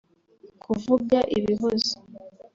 kuvuga ibihozo